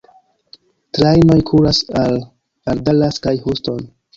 Trajnoj kuras al al Dallas kaj Houston.